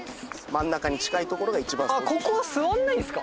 真ん中に近いところが一番あっここは座んないんすか？